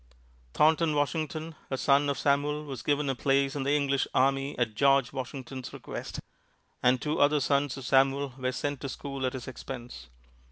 Thornton Washington, a son of Samuel, was given a place in the English army at George Washington's request; and two other sons of Samuel were sent to school at his expense.